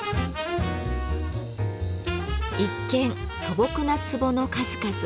一見素朴な壺の数々。